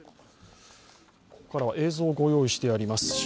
ここからは映像をご用意しています。